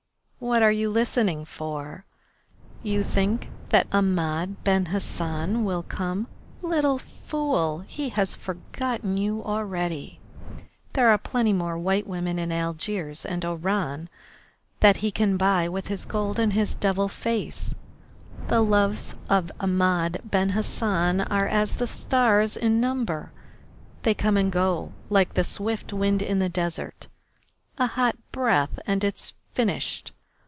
"What are you listening for? You think that Ahmed Ben Hassan will come? Little fool! He has forgotten you already. There are plenty more white women in Algiers and Oran that he can buy with his gold and his devil face. The loves of Ahmed Ben Hassan are as the stars in number. They come and go like the swift wind in the desert, a hot breath and it's finished.